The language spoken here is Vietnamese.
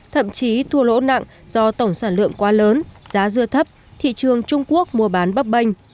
thậm chí thua lỗ nặng do tổng sản lượng quá lớn giá dưa thấp thị trường trung quốc mua bán bấp bênh